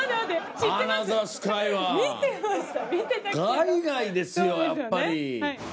海外ですよやっぱり。